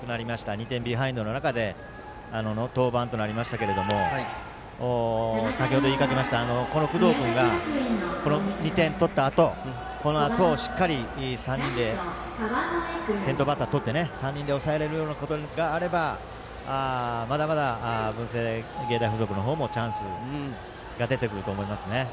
２点ビハインドの中で登板となりましたけど先程、言いかけましたがこの工藤君が２点取ったあとこのあと、しっかり３人で先頭バッターをとって３人で抑えられるようなことがあればまだまだ文星芸大付属もチャンスが出てくると思います。